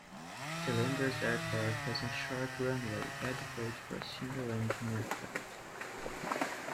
The Landers Airport has a short runway, adequate for single engine aircraft.